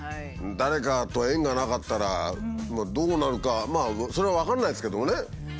誰かと縁がなかったらどうなるかまあそれは分からないですけどもね。